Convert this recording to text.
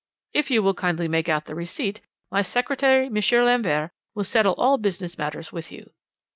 If you will kindly make out the receipt, my secretary, M. Lambert, will settle all business matters with you.'